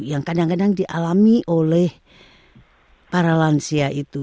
yang kadang kadang dialami oleh para lansia itu